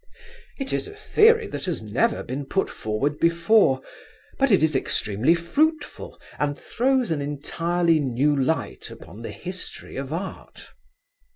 It is a theory that has never been put forward before, but it is extremely fruitful, and throws an entirely new light upon the history of Art.